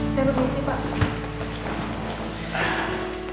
saya berbisik pak